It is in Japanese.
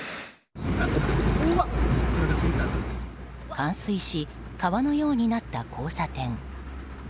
冠水し、川のようになった交差点。